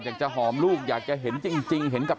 อยากจะเห็นว่าลูกเป็นยังไงอยากจะเห็นว่าลูกเป็นยังไง